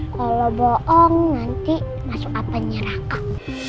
kalau bohong nanti masuk apaan nyerah kok